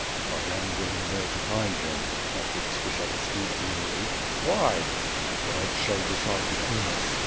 "I am going there to find him," answered Skshetuski gloomily. "Why?" "God shall decide between us."